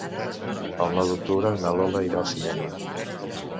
El nou d'octubre na Lola irà al cinema.